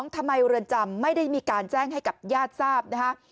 ทำไมเรือนจำไม่ได้มีการแจ้งให้กับญาติทราบนะฮะ